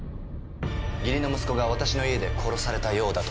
義理の息子が私の家で殺されたようだと。